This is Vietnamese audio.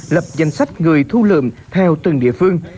lập danh sách người thu lượm theo từng địa phương